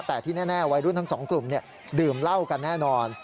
แต่ที่แน่วัยรุ่นทั้งสองกลุ่มดื่มเหล้ากันแน่นอน